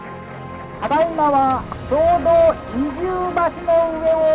「ただいまはちょうど二重橋の上を」。